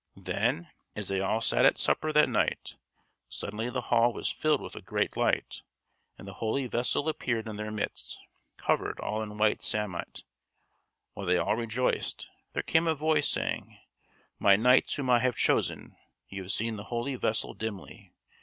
Then, as they all sat at supper that night, suddenly the hall was filled with a great light, and the holy vessel appeared in their midst, covered all in white samite. While they all rejoiced, there came a voice, saying: "My Knights whom I have chosen, ye have seen the holy vessel dimly.